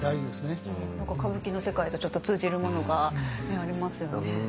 何か歌舞伎の世界とちょっと通じるものがありますよね。